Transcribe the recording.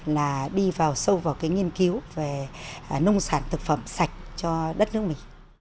là đi vào sâu vào cái nghiên cứu về nông sản thực phẩm sạch cho đất nước mỹ